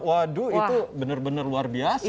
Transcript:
waduh itu benar benar luar biasa